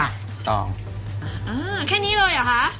อ่าแค่นี้เลยเหรอคะ